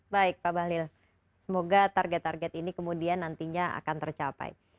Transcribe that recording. baik pak bahlil semoga target target ini kemudian nantinya akan tercapai